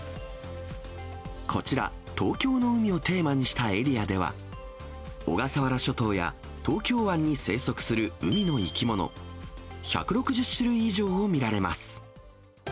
こちら、東京の海をテーマにしたエリアでは、小笠原諸島や東京湾に生息する海の生き物、１６０種類以上を見られます。